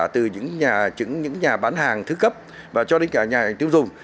từ những nhà bán hàng thứ cấp và cho đến cả nhà tiêu dùng